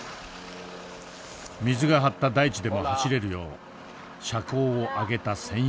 水が張った大地でも走れるよう車高を上げた専用のバスです。